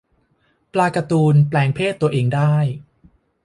ปลาการ์ตูน แปลงเพศตัวเองได้